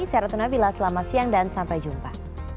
saya ratna bila selamat siang dan sampai jumpa